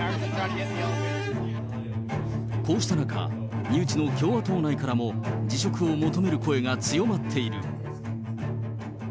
こうした中、身内の共和党内からも辞職を求める声が強まっている。